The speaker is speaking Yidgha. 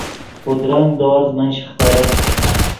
خودرنگ دورز من شیخترے